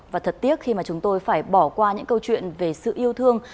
và thật tiếc khi mà chúng tôi phải bỏ qua những câu chuyện về sự yêu thương